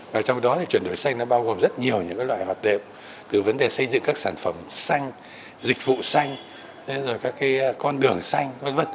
và trong đó thì chuyển đổi xanh nó bao gồm rất nhiều những loại hoạt động từ vấn đề xây dựng các sản phẩm xanh dịch vụ xanh rồi các cái con đường xanh v v